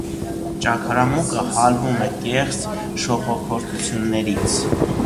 Ճագարամուկը հալվում է կեղծ շողոքորթություններից։